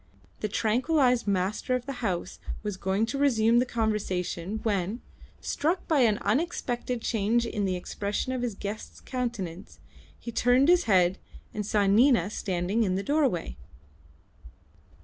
The tranquillised master of the house was going to resume the conversation when, struck by an unexpected change in the expression of his guest's countenance, he turned his head and saw Nina standing in the doorway.